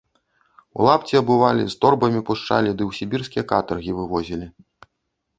У лапці абувалі, з торбамі пушчалі ды ў сібірскія катаргі вывозілі.